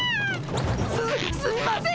すすみません！